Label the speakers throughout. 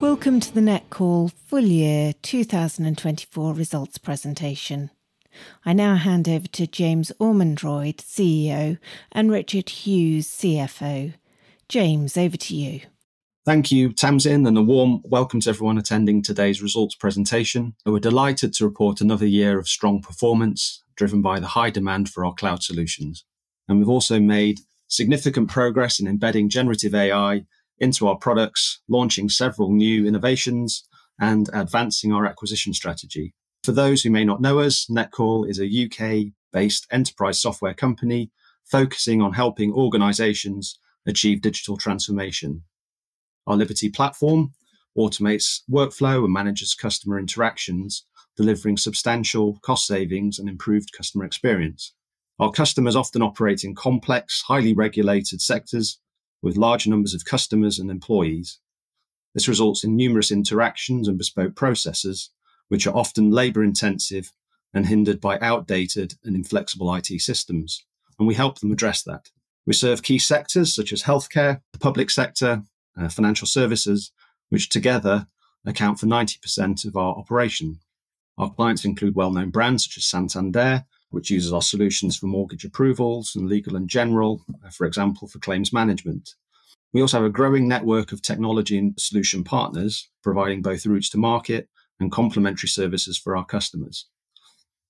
Speaker 1: Welcome to the Netcall full year 2024 Results Presentation. I now hand over to James Ormrod, CEO, and Richard Hughes, CFO. James, over to you.
Speaker 2: Thank you, Tamzin, and a warm welcome to everyone attending today's results presentation. And we're delighted to report another year of strong performance, driven by the high demand for our cloud solutions. And we've also made significant progress in embedding generative AI into our products, launching several new innovations, and advancing our acquisition strategy. For those who may not know us, Netcall is a U.K.-based enterprise software company focusing on helping organizations achieve digital transformation. Our Liberty platform automates workflow and manages customer interactions, delivering substantial cost savings and improved customer experience. Our customers often operate in complex, highly regulated sectors with large numbers of customers and employees. This results in numerous interactions and bespoke processes, which are often labor-intensive and hindered by outdated and inflexible IT systems, and we help them address that. We serve key sectors such as healthcare, the public sector, financial services, which together account for 90% of our operation. Our clients include well-known brands such as Santander, which uses our solutions for mortgage approvals, and Legal & General, for example, for claims management. We also have a growing network of technology and solution partners, providing both routes to market and complementary services for our customers.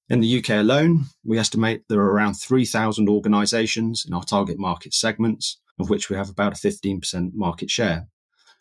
Speaker 2: In the UK alone, we estimate there are around 3,000 organizations in our target market segments, of which we have about a 15% market share,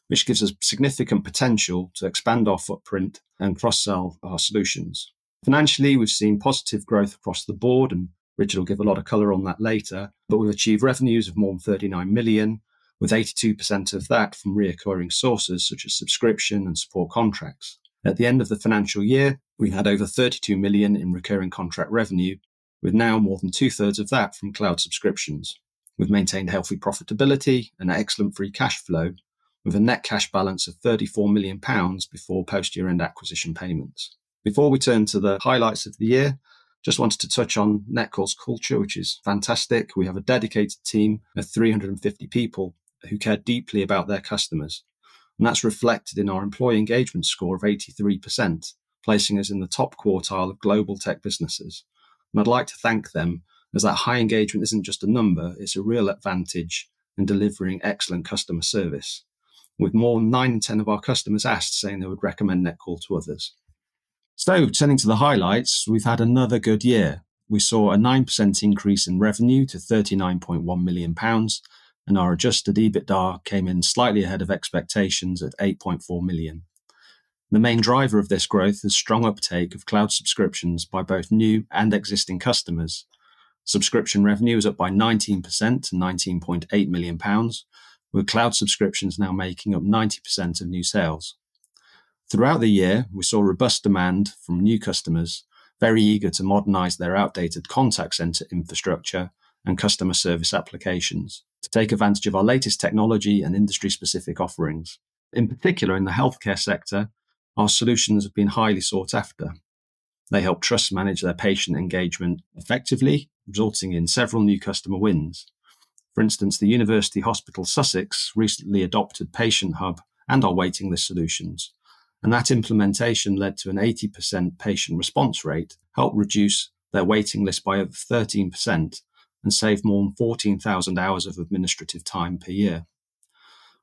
Speaker 2: which gives us significant potential to expand our footprint and cross-sell our solutions. Financially, we've seen positive growth across the board, and Richard will give a lot of color on that later. But we've achieved revenues of more than 39 million, with 82% of that from recurring sources, such as subscription and support contracts. At the end of the financial year, we've had over 32 million in recurring contract revenue, with now more than two-thirds of that from cloud subscriptions. We've maintained healthy profitability and excellent free cash flow, with a net cash balance of 34 million pounds before post-year-end acquisition payments. Before we turn to the highlights of the year, just wanted to touch on Netcall's culture, which is fantastic. We have a dedicated team of 350 people who care deeply about their customers, and that's reflected in our employee engagement Skore of 83%, placing us in the top quartile of global tech businesses. And I'd like to thank them, as that high engagement isn't just a number, it's a real advantage in delivering excellent customer service, with more than nine in ten of our customers asked saying they would recommend Netcall to others. So turning to the highlights, we've had another good year. We saw a 9% increase in revenue to 39.1 million pounds, and our adjusted EBITDA came in slightly ahead of expectations at 8.4 million. The main driver of this growth is strong uptake of cloud subscriptions by both new and existing customers. Subscription revenue is up by 19% to 19.8 million pounds, with cloud subscriptions now making up 90% of new sales. Throughout the year, we saw robust demand from new customers, very eager to modernize their outdated contact center infrastructure and customer service applications to take advantage of our latest technology and industry-specific offerings. In particular, in the healthcare sector, our solutions have been highly sought after. They help trusts manage their patient engagement effectively, resulting in several new customer wins. For instance, the University Hospitals Sussex recently adopted Patient Hub and our waiting list solutions, and that implementation led to an 80% patient response rate, helped reduce their waiting list by over 13%, and saved more than 14,000 hours of administrative time per year.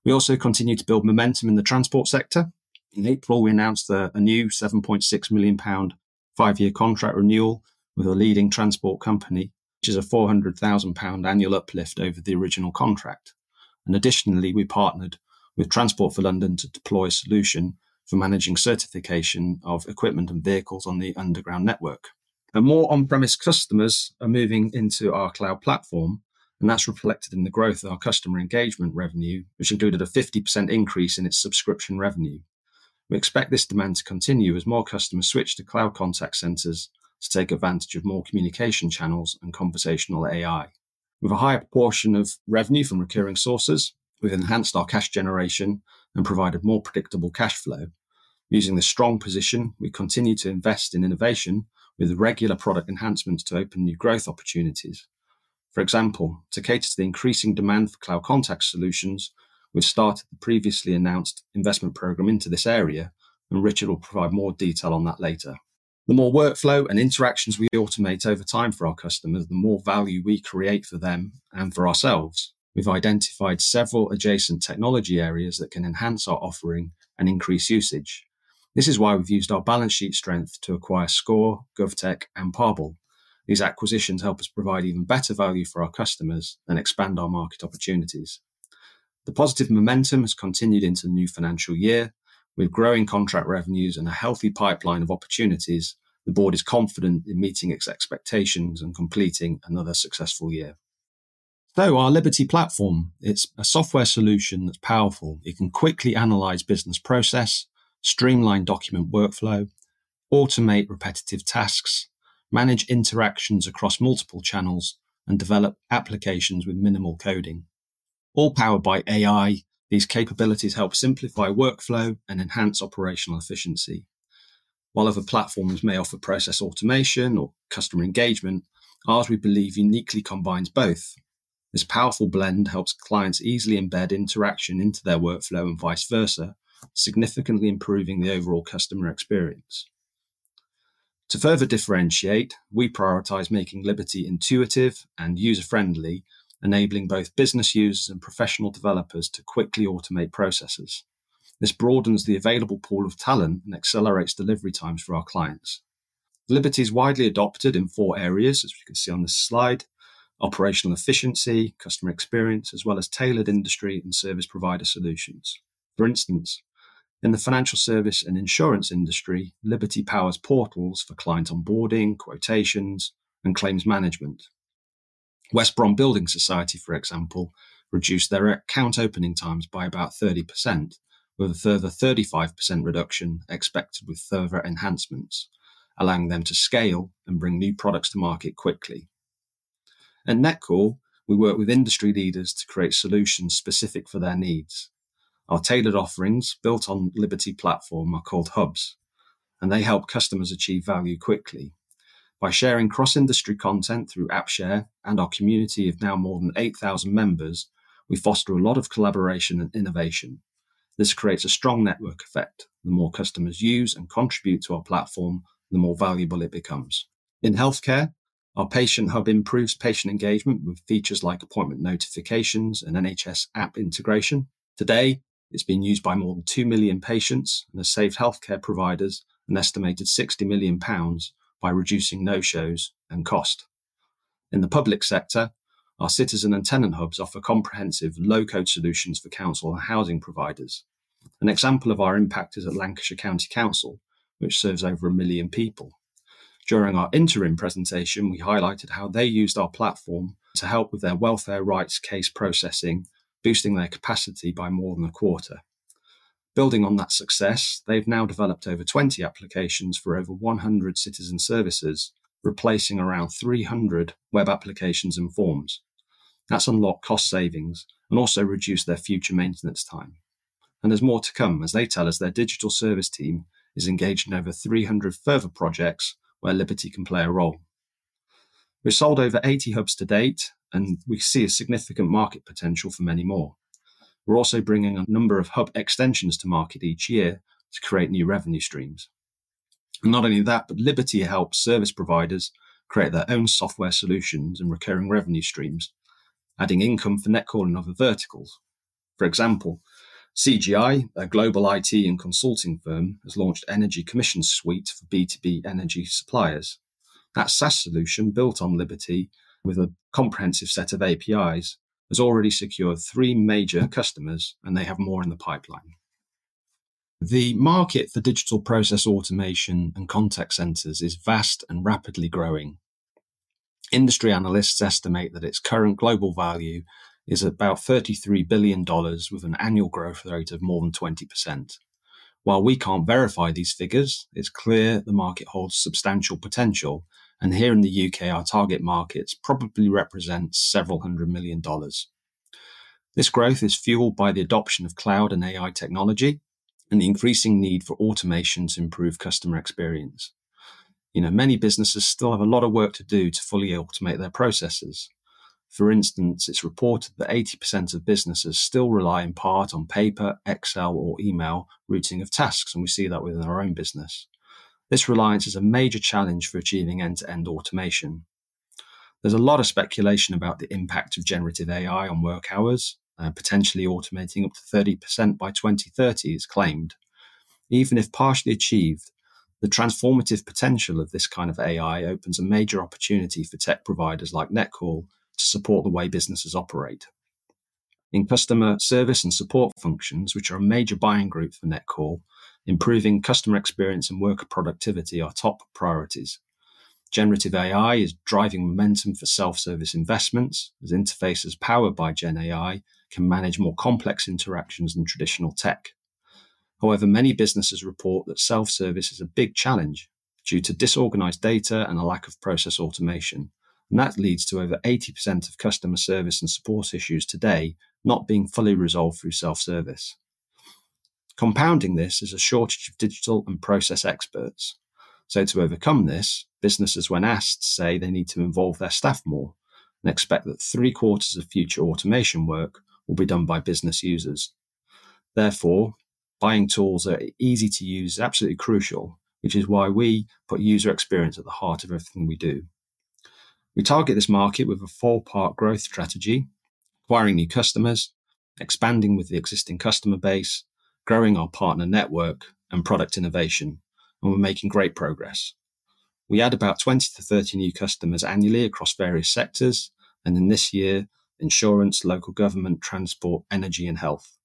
Speaker 2: We also continued to build momentum in the transport sector. In April, we announced a new 7.6 million pound, five-year contract renewal with a leading transport company, which is a 400,000 pound annual uplift over the original contract. And additionally, we partnered with Transport for London to deploy a solution for managing certification of equipment and vehicles on the underground network. And more on-premise customers are moving into our cloud platform, and that's reflected in the growth of our customer engagement revenue, which included a 50% increase in its subscription revenue. We expect this demand to continue as more customers switch to cloud contact centers to take advantage of more communication channels and conversational AI. With a higher proportion of revenue from recurring sources, we've enhanced our cash generation and provided more predictable cash flow. Using this strong position, we continue to invest in innovation with regular product enhancements to open new growth opportunities. For example, to cater to the increasing demand for cloud contact solutions, we've started the previously announced investment program into this area, and Richard will provide more detail on that later. The more workflow and interactions we automate over time for our customers, the more value we create for them and for ourselves. We've identified several adjacent technology areas that can enhance our offering and increase usage. This is why we've used our balance sheet strength to acquire Score, Govtech, and Parble. These acquisitions help us provide even better value for our customers and expand our market opportunities. The positive momentum has continued into the new financial year. With growing contract revenues and a healthy pipeline of opportunities, the board is confident in meeting its expectations and completing another successful year. So our Liberty platform, it's a software solution that's powerful. It can quickly analyze business process, streamline document workflow, automate repetitive tasks, manage interactions across multiple channels, and develop applications with minimal coding. All powered by AI, these capabilities help simplify workflow and enhance operational efficiency.... While other platforms may offer process automation or customer engagement, ours, we believe, uniquely combines both. This powerful blend helps clients easily embed interaction into their workflow and vice versa, significantly improving the overall customer experience. To further differentiate, we prioritize making Liberty intuitive and user-friendly, enabling both business users and professional developers to quickly automate processes. This broadens the available pool of talent and accelerates delivery times for our clients. Liberty is widely adopted in four areas, as you can see on this slide: operational efficiency, customer experience, as well as tailored industry and service provider solutions. For instance, in the financial service and insurance industry, Liberty powers portals for client onboarding, quotations, and claims management. West Brom Building Society, for example, reduced their account opening times by about 30%, with a further 35% reduction expected with further enhancements, allowing them to scale and bring new products to market quickly. At Netcall, we work with industry leaders to create solutions specific for their needs. Our tailored offerings, built on Liberty platform, are called Hubs, and they help customers achieve value quickly. By sharing cross-industry content through AppShare and our community of now more than 8,000 members, we foster a lot of collaboration and innovation. This creates a strong network effect. The more customers use and contribute to our platform, the more valuable it becomes. In healthcare, our Patient Hub improves patient engagement with features like appointment notifications and NHS app integration. Today, it's being used by more than 2 million patients and has saved healthcare providers an estimated 60 million pounds by reducing no-shows and cost. In the public sector, our Citizen and Tenant Hubs offer comprehensive low-code solutions for council and housing providers. An example of our impact is at Lancashire County Council, which serves over 1 million people. During our interim presentation, we highlighted how they used our platform to help with their welfare rights case processing, boosting their capacity by more than a quarter. Building on that success, they've now developed over 20 applications for over 100 citizen services, replacing around 300 web applications and forms. That's unlocked cost savings and also reduced their future maintenance time. And there's more to come, as they tell us their digital service team is engaged in over 300 further projects where Liberty can play a role. We've sold over 80 hubs to date, and we see a significant market potential for many more. We're also bringing a number of hub extensions to market each year to create new revenue streams. And not only that, but Liberty helps service providers create their own software solutions and recurring revenue streams, adding income for Netcall and other verticals. For example, CGI, a global IT and consulting firm, has launched Energy Commissioning Suite for B2B energy suppliers. That SaaS solution, built on Liberty with a comprehensive set of APIs, has already secured three major customers, and they have more in the pipeline. The market for digital process automation and contact centers is vast and rapidly growing. Industry analysts estimate that its current global value is about $33 billion, with an annual growth rate of more than 20%. While we can't verify these figures, it's clear the market holds substantial potential, and here in the UK, our target markets probably represent several hundred million dollars. This growth is fueled by the adoption of cloud and AI technology and the increasing need for automation to improve customer experience. You know, many businesses still have a lot of work to do to fully automate their processes. For instance, it's reported that 80% of businesses still rely in part on paper, Excel, or email routing of tasks, and we see that within our own business. This reliance is a major challenge for achieving end-to-end automation. There's a lot of speculation about the impact of generative AI on work hours, potentially automating up to 30% by 2030, it's claimed. Even if partially achieved, the transformative potential of this kind of AI opens a major opportunity for tech providers like Netcall to support the way businesses operate. In customer service and support functions, which are a major buying group for Netcall, improving customer experience and worker productivity are top priorities. Generative AI is driving momentum for self-service investments, as interfaces powered by Gen AI can manage more complex interactions than traditional tech. However, many businesses report that self-service is a big challenge due to disorganized data and a lack of process automation, and that leads to over 80% of customer service and support issues today not being fully resolved through self-service. Compounding this is a shortage of digital and process experts. So to overcome this, businesses, when asked, say they need to involve their staff more and expect that three-quarters of future automation work will be done by business users. Therefore, buying tools that are easy to use is absolutely crucial, which is why we put user experience at the heart of everything we do. We target this market with a four-part growth strategy: acquiring new customers, expanding with the existing customer base, growing our partner network, and product innovation, and we're making great progress. We add about 20-30 new customers annually across various sectors, and in this year, insurance, local government, transport, energy, and health.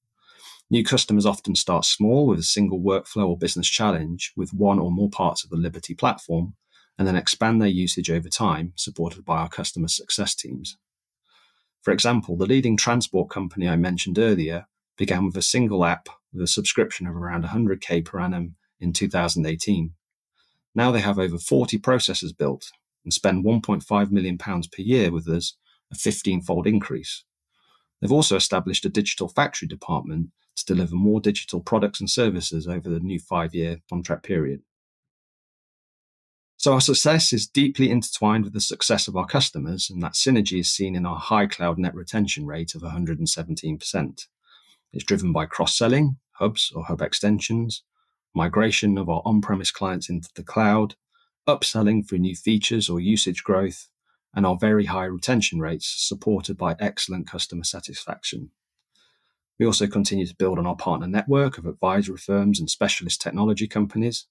Speaker 2: New customers often start small, with a single workflow or business challenge, with one or more parts of the Liberty platform, and then expand their usage over time, supported by our customer success teams. For example, the leading transport company I mentioned earlier began with a single app with a subscription of around 100K per annum in 2018. Now they have over 40 processes built and spend 1.5 million pounds per year with us, a 15-fold increase. They've also established a digital factory department to deliver more digital products and services over the new five-year contract period. So our success is deeply intertwined with the success of our customers, and that synergy is seen in our high cloud net retention rate of 117%. It's driven by cross-selling, hubs or hub extensions, migration of our on-premise clients into the cloud, upselling for new features or usage growth, and our very high retention rates, supported by excellent customer satisfaction. We also continue to build on our partner network of advisory firms and specialist technology companies.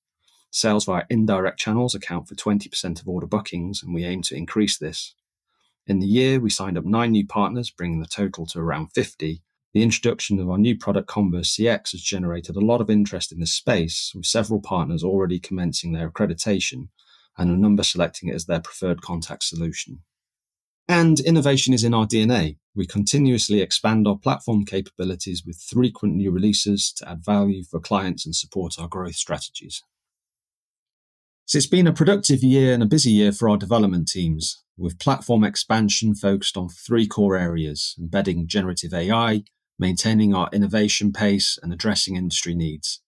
Speaker 2: Sales via indirect channels account for 20% of all the bookings, and we aim to increase this. In the year, we signed up nine new partners, bringing the total to around 50. The introduction of our new product, Converse CX, has generated a lot of interest in this space, with several partners already commencing their accreditation and a number selecting it as their preferred contact solution. Innovation is in our DNA. We continuously expand our platform capabilities with frequent new releases to add value for clients and support our growth strategies. It's been a productive year and a busy year for our development teams, with platform expansion focused on three core areas: embedding generative AI, maintaining our innovation pace, and addressing industry needs.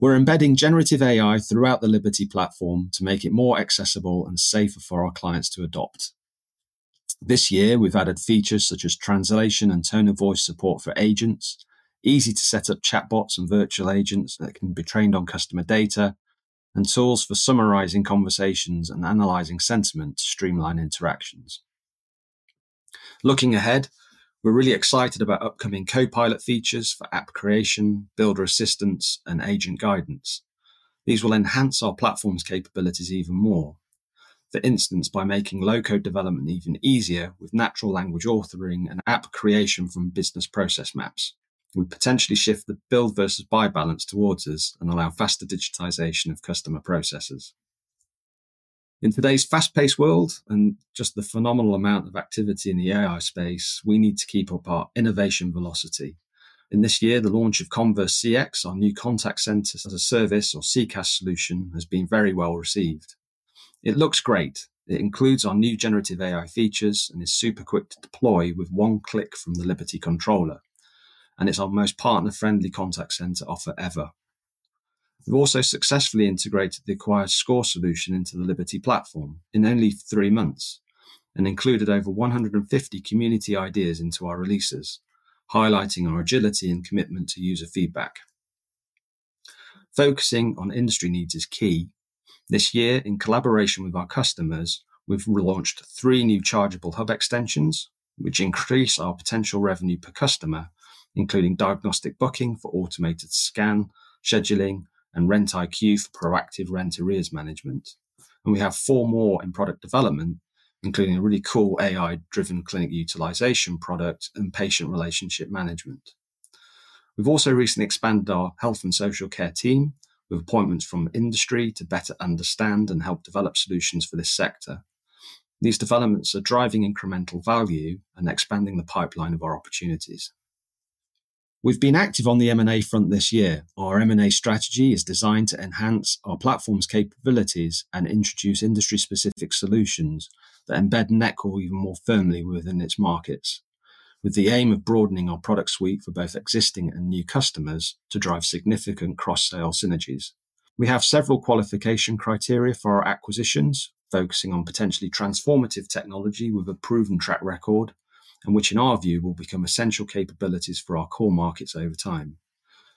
Speaker 2: We're embedding generative AI throughout the Liberty platform to make it more accessible and safer for our clients to adopt. This year, we've added features such as translation and tone of voice support for agents, easy-to-set-up chatbots and virtual agents that can be trained on customer data, and tools for summarizing conversations and analyzing sentiment to streamline interactions. Looking ahead, we're really excited about upcoming Copilot features for app creation, builder assistance, and agent guidance. These will enhance our platform's capabilities even more. For instance, by making low-code development even easier with natural language authoring and app creation from business process maps, we potentially shift the build versus buy balance towards us and allow faster digitization of customer processes. In today's fast-paced world, and just the phenomenal amount of activity in the AI space, we need to keep up our innovation velocity. In this year, the launch of Converse CX, our new contact center as a service or CCaaS solution, has been very well received. It looks great. It includes our new generative AI features and is super quick to deploy with one click from the Liberty Controller, and it's our most partner-friendly contact center offer ever. We've also successfully integrated the acquired Score solution into the Liberty platform in only three months and included over 150 community ideas into our releases, highlighting our agility and commitment to user feedback. Focusing on industry needs is key. This year, in collaboration with our customers, we've relaunched three new chargeable hub extensions, which increase our potential revenue per customer, including Diagnostic Booking for automated scan, scheduling, and RentIQ for proactive rent arrears management. We have four more in product development, including a really cool AI-driven clinic utilization product and patient relationship management. We've also recently expanded our health and social care team with appointments from industry to better understand and help develop solutions for this sector. These developments are driving incremental value and expanding the pipeline of our opportunities. We've been active on the M&A front this year. Our M&A strategy is designed to enhance our platform's capabilities and introduce industry-specific solutions that embed Netcall even more firmly within its markets, with the aim of broadening our product suite for both existing and new customers to drive significant cross-sale synergies. We have several qualification criteria for our acquisitions, focusing on potentially transformative technology with a proven track record, and which, in our view, will become essential capabilities for our core markets over time.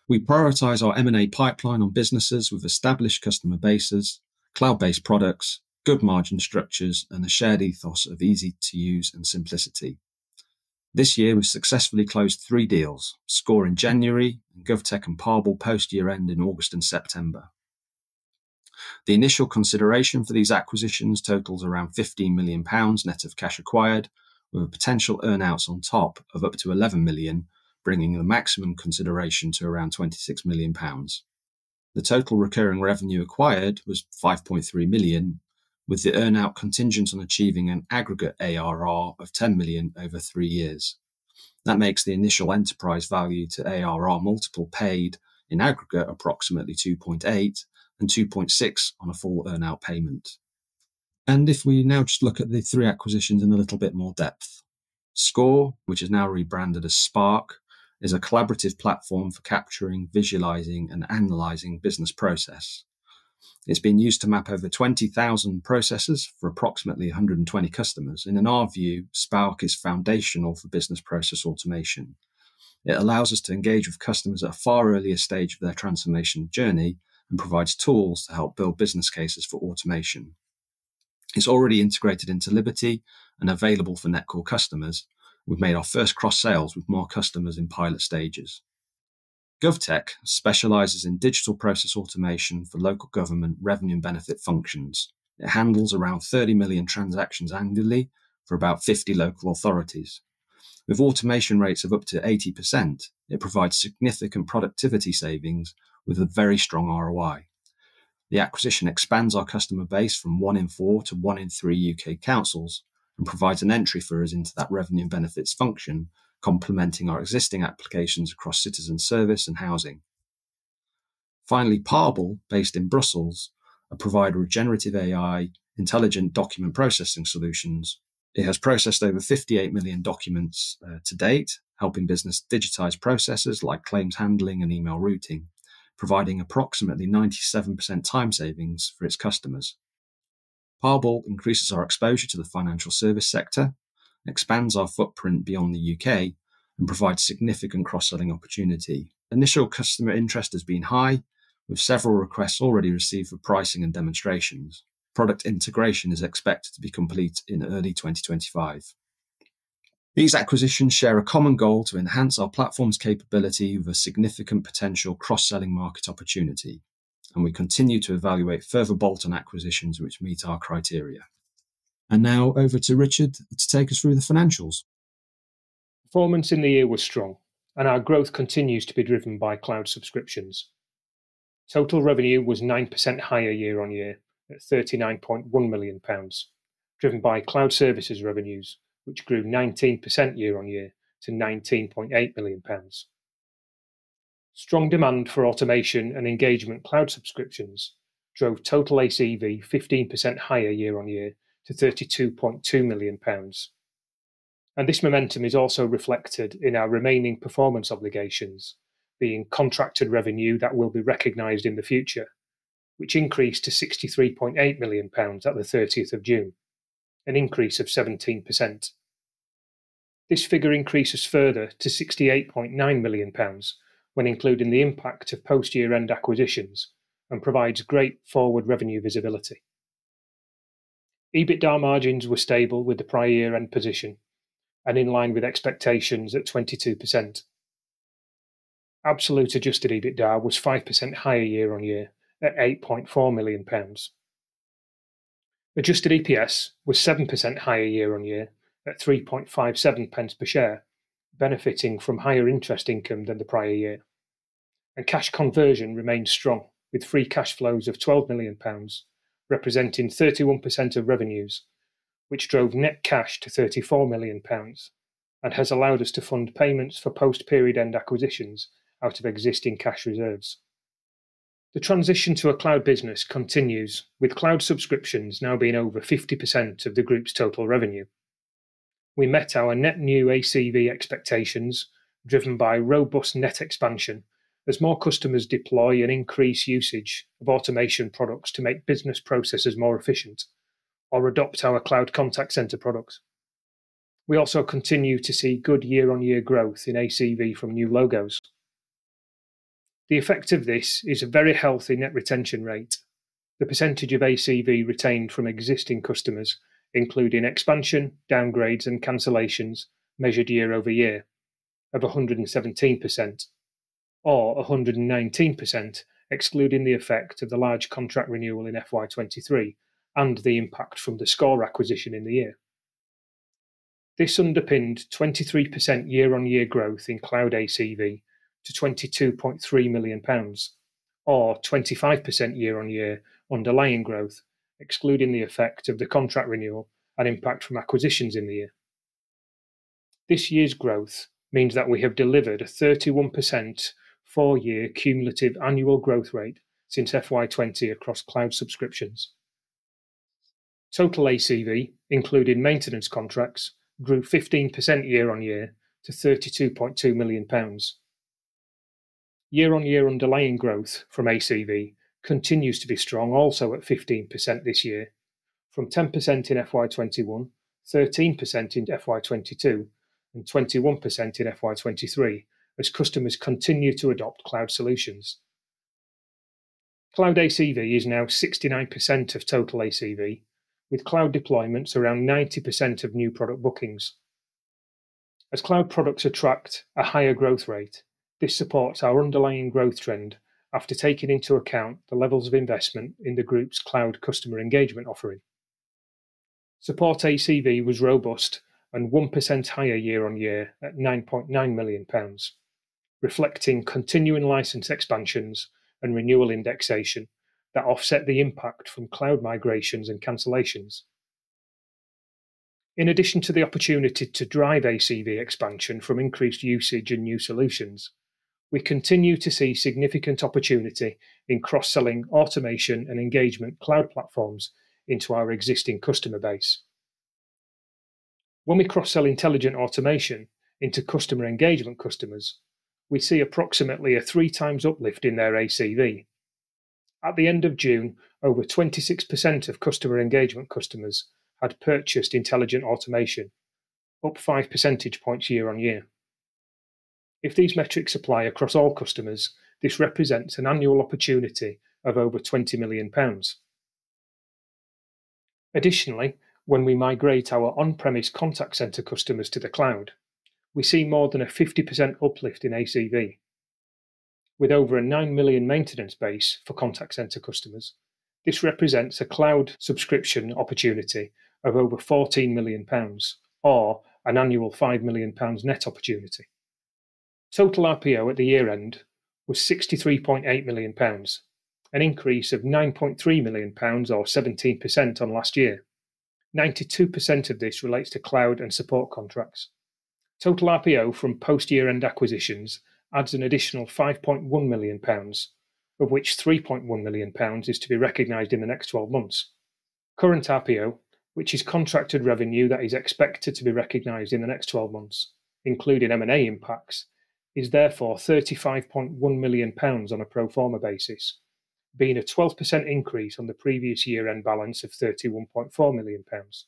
Speaker 2: We prioritize our M&A pipeline on businesses with established customer bases, cloud-based products, good margin structures, and a shared ethos of easy-to-use and simplicity. This year, we successfully closed three deals: Score in January, and GovTech and Parble post-year-end in August and September. The initial consideration for these acquisitions totals around 15 million pounds, net of cash acquired, with a potential earn-outs on top of up to 11 million, bringing the maximum consideration to around 26 million pounds. The total recurring revenue acquired was 5.3 million, with the earn-out contingent on achieving an aggregate ARR of 10 million over three years. That makes the initial enterprise value to ARR multiple paid in aggregate, approximately 2.8 and 2.6 on a full earn-out payment. And if we now just look at the three acquisitions in a little bit more depth. Score, which is now rebranded as Spark, is a collaborative platform for capturing, visualizing, and analyzing business process. It's been used to map over 20,000 processes for approximately 120 customers, and in our view, Spark is foundational for business process automation. It allows us to engage with customers at a far earlier stage of their transformation journey and provides tools to help build business cases for automation. It's already integrated into Liberty and available for Netcall customers. We've made our first cross-sales with more customers in pilot stages. GovTech specializes in digital process automation for local government revenue and benefits functions. It handles around 30 million transactions annually for about 50 local authorities. With automation rates of up to 80%, it provides significant productivity savings with a very strong ROI. The acquisition expands our customer base from one in four to one in three U.K. councils and provides an entry for us into that revenue and benefits function, complementing our existing applications across citizen service and housing. Finally, Parble, based in Brussels, a provider of generative AI, intelligent document processing solutions. It has processed over 58 million documents to date, helping business digitize processes like claims handling and email routing, providing approximately 97% time savings for its customers. Parble increases our exposure to the financial service sector, expands our footprint beyond the U.K., and provides significant cross-selling opportunity. Initial customer interest has been high, with several requests already received for pricing and demonstrations. Product integration is expected to be complete in early twenty twenty-five. These acquisitions share a common goal to enhance our platform's capability with a significant potential cross-selling market opportunity, and we continue to evaluate further bolt-on acquisitions which meet our criteria. And now over to Richard to take us through the financials.
Speaker 3: Performance in the year was strong, and our growth continues to be driven by cloud subscriptions. Total revenue was 9% higher year on year, at 39.1 million pounds, driven by cloud services revenues, which grew 19% year on year to 19.8 million pounds. Strong demand for automation and engagement cloud subscriptions drove total ACV 15% higher year on year to 32.2 million pounds, and this momentum is also reflected in our remaining performance obligations, being contracted revenue that will be recognized in the future, which increased to 63.8 million pounds at the thirtieth of June, an increase of 17%. This figure increases further to 68.9 million pounds when including the impact of post-year-end acquisitions and provides great forward revenue visibility. EBITDA margins were stable with the prior year-end position and in line with expectations at 22%. Absolute adjusted EBITDA was 5% higher year on year, at 8.4 million pounds. Adjusted EPS was 7% higher year on year, at 3.57 pence per share, benefiting from higher interest income than the prior year. And cash conversion remains strong, with free cash flows of 12 million pounds, representing 31% of revenues, which drove net cash to 34 million pounds, and has allowed us to fund payments for post-period end acquisitions out of existing cash reserves. The transition to a cloud business continues, with cloud subscriptions now being over 50% of the group's total revenue. We met our net new ACV expectations, driven by robust net expansion, as more customers deploy an increased usage of automation products to make business processes more efficient or adopt our cloud contact center products. We also continue to see good year-on-year growth in ACV from new logos. The effect of this is a very healthy net retention rate. The percentage of ACV retained from existing customers, including expansion, downgrades, and cancellations, measured year over year of 117%, or 119%, excluding the effect of the large contract renewal in FY 2023 and the impact from the Score acquisition in the year. This underpinned 23% year on year growth in cloud ACV to 22.3 million pounds, or 25% year on year underlying growth, excluding the effect of the contract renewal and impact from acquisitions in the year. This year's growth means that we have delivered a 31% four-year cumulative annual growth rate since FY 2020 across cloud subscriptions. Total ACV, including maintenance contracts, grew 15% year on year to 32.2 million pounds. Year on year underlying growth from ACV continues to be strong, also at 15% this year, from 10% in FY 2021, 13% in FY 2022, and 21% in FY 2023, as customers continue to adopt cloud solutions. Cloud ACV is now 69% of total ACV, with cloud deployments around 90% of new product bookings. As cloud products attract a higher growth rate, this supports our underlying growth trend after taking into account the levels of investment in the group's cloud customer engagement offering. Support ACV was robust and 1% higher year on year at 9.9 million pounds, reflecting continuing license expansions and renewal indexation that offset the impact from cloud migrations and cancellations. In addition to the opportunity to drive ACV expansion from increased usage and new solutions, we continue to see significant opportunity in cross-selling automation and engagement cloud platforms into our existing customer base. When we cross-sell intelligent automation into customer engagement customers, we see approximately a three times uplift in their ACV. At the end of June, over 26% of customer engagement customers had purchased intelligent automation, up five percentage points year on year. If these metrics apply across all customers, this represents an annual opportunity of over 20 million pounds. Additionally, when we migrate our on-premise contact center customers to the cloud, we see more than a 50% uplift in ACV. With over 9 million maintenance base for contact center customers, this represents a cloud subscription opportunity of over 14 million pounds or an annual 5 million pounds net opportunity. Total RPO at the year-end was 63.8 million pounds, an increase of 9.3 million pounds or 17% on last year. 92% of this relates to cloud and support contracts. Total RPO from post-year-end acquisitions adds an additional 5.1 million pounds, of which 3.1 million pounds is to be recognized in the next twelve months. Current RPO, which is contracted revenue that is expected to be recognized in the next twelve months, including M&A impacts, is therefore 35.1 million pounds on a pro forma basis, being a 12% increase on the previous year-end balance of 31.4 million pounds.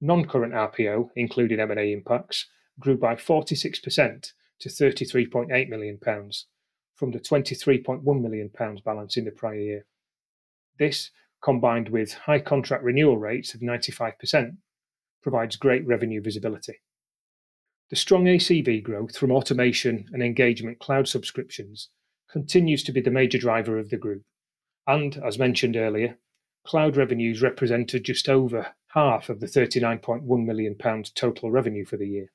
Speaker 3: Non-current RPO, including M&A impacts, grew by 46% to 33.8 million pounds from the 23.1 million pounds balance in the prior year. This, combined with high contract renewal rates of 95%, provides great revenue visibility. The strong ACV growth from automation and engagement cloud subscriptions continues to be the major driver of the group, and as mentioned earlier, cloud revenues represented just over half of the 39.1 million pounds total revenue for the year.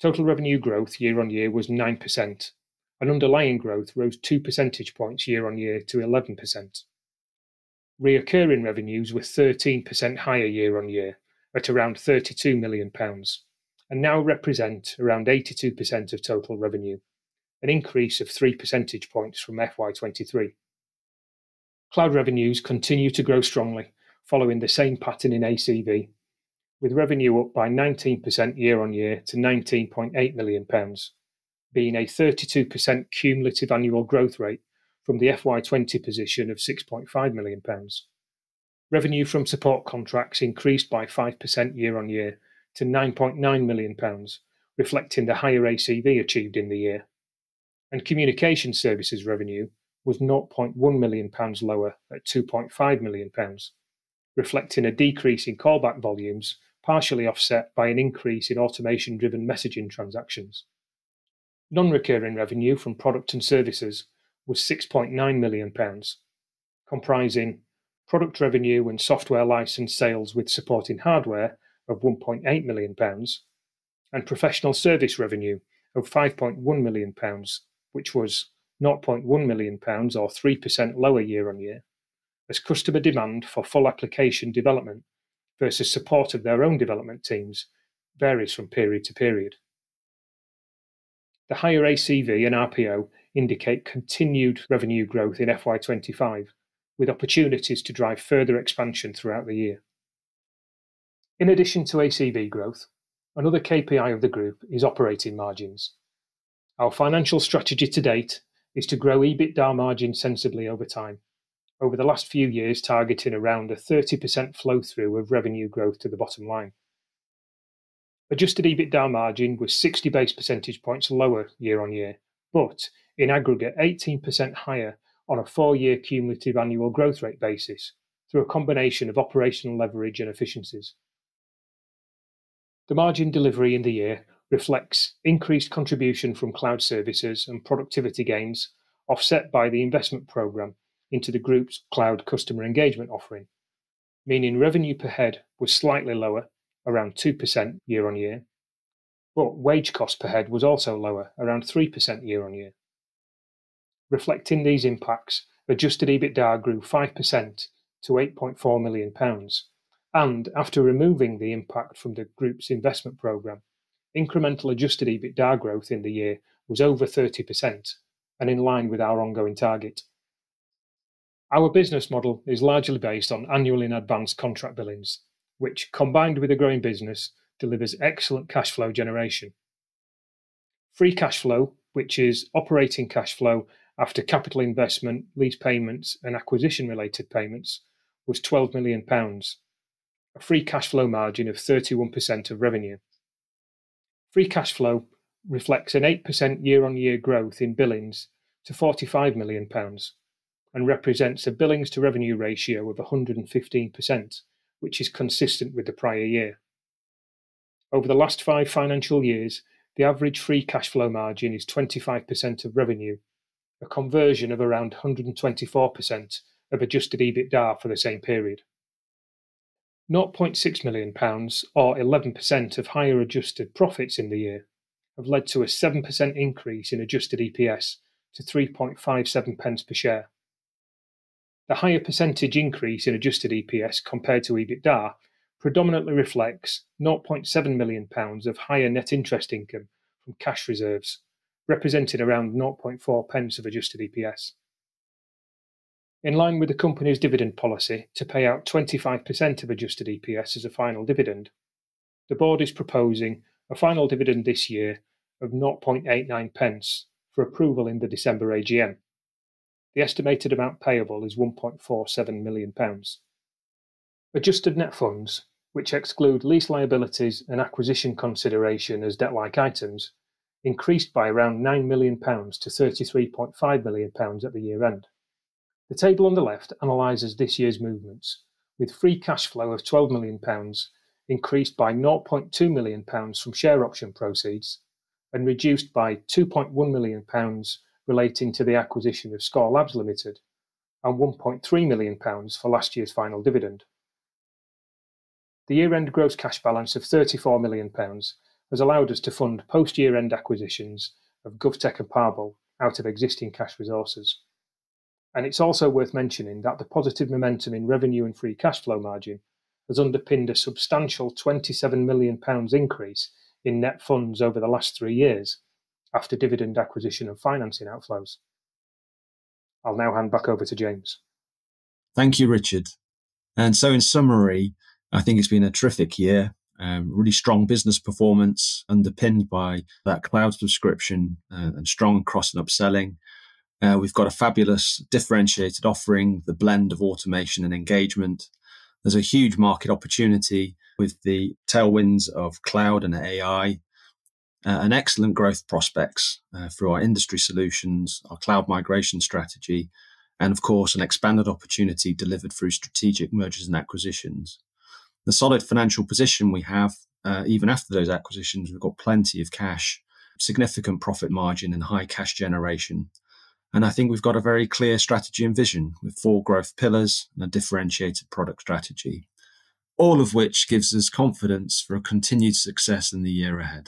Speaker 3: Total revenue growth year on year was 9%, and underlying growth rose two percentage points year on year to 11%. Recurring revenues were 13% higher year on year at around 32 million pounds, and now represent around 82% of total revenue, an increase of three percentage points from FY 2023. Cloud revenues continue to grow strongly, following the same pattern in ACV, with revenue up by 19% year on year to 19.8 million pounds, being a 32% cumulative annual growth rate from the FY 2020 position of 6.5 million pounds. Revenue from support contracts increased by 5% year on year to 9.9 million pounds, reflecting the higher ACV achieved in the year. And communication services revenue was 0.1 million pounds lower at 2.5 million pounds, reflecting a decrease in callback volumes, partially offset by an increase in automation-driven messaging transactions. Non-recurring revenue from product and services was 6.9 million pounds, comprising product revenue and software license sales, with supporting hardware of 1.8 million pounds, and professional service revenue of 5.1 million pounds, which was 0.1 million pounds, or 3% lower year on year, as customer demand for full application development versus support of their own development teams varies from period to period. The higher ACV and RPO indicate continued revenue growth in FY 2025, with opportunities to drive further expansion throughout the year. In addition to ACV growth, another KPI of the group is operating margins. Our financial strategy to date is to grow EBITDA margin sensibly over time. Over the last few years, targeting around a 30% flow through of revenue growth to the bottom line. Adjusted EBITDA margin was 60 basis points lower year on year, but in aggregate, 18% higher on a four-year cumulative annual growth rate basis through a combination of operational leverage and efficiencies. The margin delivery in the year reflects increased contribution from cloud services and productivity gains, offset by the investment program into the group's cloud customer engagement offering, meaning revenue per head was slightly lower, around 2% year on year, but wage cost per head was also lower, around 3% year on year. Reflecting these impacts, adjusted EBITDA grew 5% to 8.4 million pounds, and after removing the impact from the group's investment program, incremental adjusted EBITDA growth in the year was over 30% and in line with our ongoing target. Our business model is largely based on annually in advance contract billings, which, combined with a growing business, delivers excellent cash flow generation. Free cash flow, which is operating cash flow after capital investment, lease payments, and acquisition-related payments, was 12 million pounds, a free cash flow margin of 31% of revenue. Free cash flow reflects an 8% year-on-year growth in billings to 45 million pounds, and represents a billings to revenue ratio of 115%, which is consistent with the prior year. Over the last five financial years, the average free cash flow margin is 25% of revenue, a conversion of around 124% of adjusted EBITDA for the same period. 0.6 million pounds or 11% of higher adjusted profits in the year have led to a 7% increase in adjusted EPS to 3.57 pence per share. The higher percentage increase in adjusted EPS compared to EBITDA predominantly reflects 0.7 million pounds of higher net interest income from cash reserves, representing around 0.4 pence of adjusted EPS. In line with the company's dividend policy to pay out 25% of adjusted EPS as a final dividend, the board is proposing a final dividend this year of 0.89 pence for approval in the December AGM. The estimated amount payable is 1.47 million pounds. Adjusted net funds, which exclude lease liabilities and acquisition consideration as debt-like items, increased by around nine million pounds to 33.5 million pounds at the year-end. The table on the left analyzes this year's movements, with Free Cash Flow of 12 million pounds increased by 0.2 million pounds from share option proceeds, and reduced by 2.1 million pounds relating to the acquisition of Skore Labs Limited and 1.3 million pounds for last year's final dividend. The year-end gross cash balance of 34 million pounds has allowed us to fund post-year-end acquisitions of GovTech and Parble out of existing cash resources. It's also worth mentioning that the positive momentum in revenue and Free Cash Flow margin has underpinned a substantial 27 million pounds increase in net funds over the last three years after dividend acquisition and financing outflows. I'll now hand back over to James.
Speaker 2: Thank you, Richard. And so, in summary, I think it's been a terrific year. Really strong business performance, underpinned by that cloud subscription, and strong cross and upselling. We've got a fabulous differentiated offering, the blend of automation and engagement. There's a huge market opportunity with the tailwinds of cloud and AI, and excellent growth prospects, through our industry solutions, our cloud migration strategy, and of course, an expanded opportunity delivered through strategic mergers and acquisitions. The solid financial position we have, even after those acquisitions, we've got plenty of cash, significant profit margin, and high cash generation. And I think we've got a very clear strategy and vision, with four growth pillars and a differentiated product strategy, all of which gives us confidence for a continued success in the year ahead.